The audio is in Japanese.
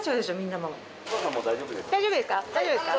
大丈夫ですか？